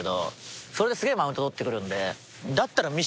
それですげえマウント取ってくるんで。